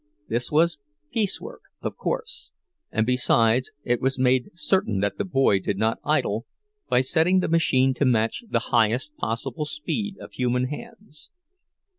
This was "piece work," of course; and besides it was made certain that the boy did not idle, by setting the machine to match the highest possible speed of human hands.